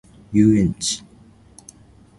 遊園地